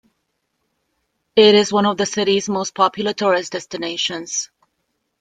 It is one of the city's most popular tourist destinations.